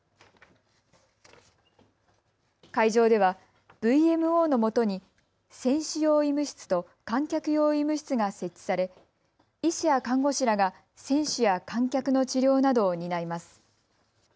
会場ではＶＭＯのもとに選手用医務室と観客用医務室が設置され医師や看護師らが選手や観客の治療などを担います。